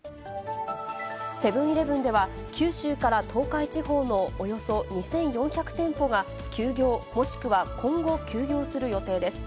セブンーイレブンでは、九州から東海地方のおよそ２４００店舗が、休業もしくは今後休業する予定です。